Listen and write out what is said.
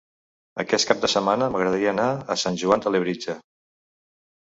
Aquest cap de setmana m'agradaria anar a Sant Joan de Labritja.